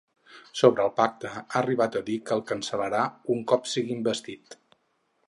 Sobre el pacte ha arribat a dir que el cancel·larà un cop sigui investit.